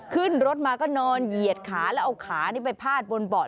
ขึ้นรถมาก็นอนเหยียดขาแล้วเอาขานี่ไปพาดบนเบาะ